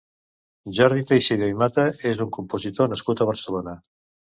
Jordi Texidó i Mata és un compositor nascut a Barcelona.